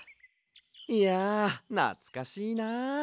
いやなつかしいな。